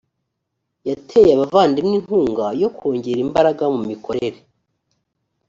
yateye abavandimwe inkunga yo kongera imbaraga mu mikorere